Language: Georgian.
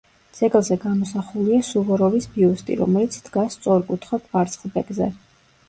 ძეგლზე გამოსახულია სუვოროვის ბიუსტი, რომელიც დგას სწორკუთხა კვარცხლბეკზე.